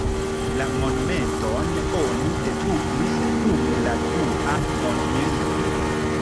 La monumenton oni detruis dum la dua mondmilito.